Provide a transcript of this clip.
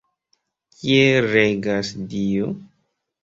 Kiel regas Dio?